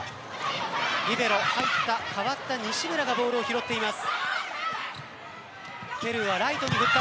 リベロ代わった西村がボールを拾っています。